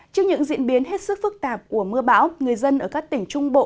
trước những diễn biến hết sức phức tạp của mưa bão người dân ở các tỉnh trung bộ